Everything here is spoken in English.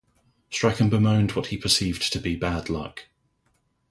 Strachan bemoaned what he perceived to be bad luck.